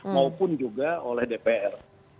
maupun juga oleh dpr